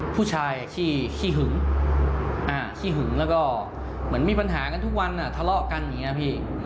ผู้ชายขี้หึงขี้หึงแล้วก็เหมือนมีปัญหากันทุกวันทะเลาะกันอย่างนี้พี่